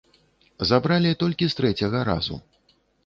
Забралі толькі з трэцяга разу.